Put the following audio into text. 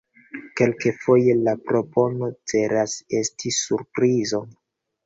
Kelkfoje la propono celas esti surprizo.